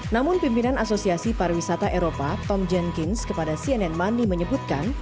namun pimpinan asosiasi pariwisata eropa tom jen kins kepada cnn money menyebutkan